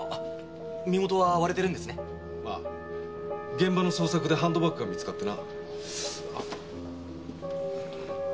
現場の捜索でハンドバッグが見つかってな。